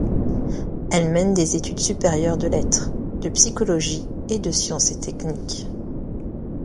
Elle mène des études supérieures de lettres, de psychologie et de sciences et techniques.